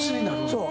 そう。